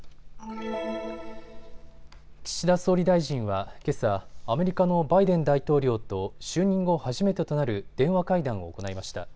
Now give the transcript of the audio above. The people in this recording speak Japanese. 岸田総理大臣はけさアメリカのバイデン大統領と就任後初めてとなる電話会談を行いました。